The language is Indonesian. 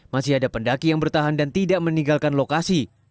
masih ada pendaki yang bertahan dan tidak meninggalkan lokasi